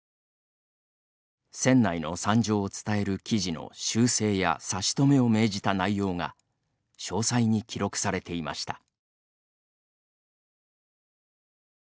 船内の惨状を伝える記事の修正や差し止めを命じた内容が詳細に記録されていました。